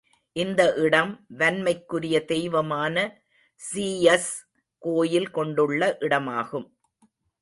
இந்த இடம் வன்மைக்குரிய தெய்வமான ஸீயஸ் கோயில் கொண்டுள்ள இடமாகும்.